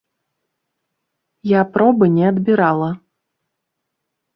Я пробы не адбірала.